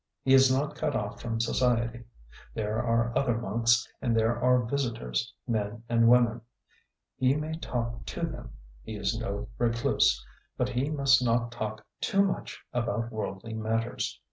He is not cut off from society. There are other monks, and there are visitors, men and women. He may talk to them he is no recluse; but he must not talk too much about worldly matters.